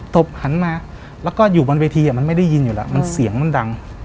บหันมาแล้วก็อยู่บนเวทีมันไม่ได้ยินอยู่แล้วมันเสียงมันดัง